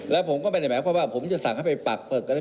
แล้วผมก็ไม่ได้แหมกไว้ว่าผมจะสั่งให้ไปปักปลอก